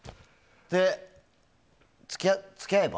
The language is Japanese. で、付き合えば？